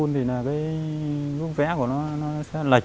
anh thấy hình này em vẽ hình như cũng hơi run đây này